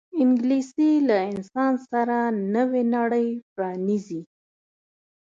انګلیسي له انسان سره نوې نړۍ پرانیزي